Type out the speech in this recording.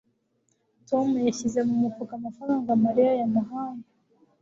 tom yashyize mu mufuka amafaranga mariya yamuhaye